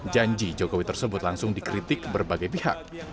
janji jokowi tersebut langsung dikritik berbagai pihak